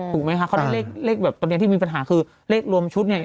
ถูกไหมคะเขาได้เลขแบบตอนนี้ที่มีปัญหาคือเลขรวมชุดเนี่ย